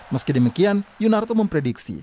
meski demikian yunarto memprediksi